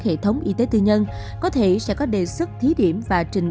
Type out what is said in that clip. hệ thống y tế tư nhân có thể sẽ có đề xuất thí điểm và trình